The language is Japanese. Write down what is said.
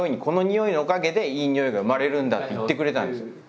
「このにおいのおかげでいいにおいが生まれるんだ」って言ってくれたんですよ。